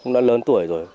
đã lớn tuổi rồi